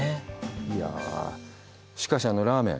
しかし、あのラーメン。